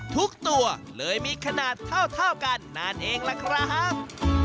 ทุกตัวเลยมีขนาดเท่ากันนั่นเองล่ะครับ